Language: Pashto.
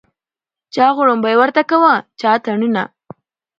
چا غړومبی ورته کاوه چا اتڼونه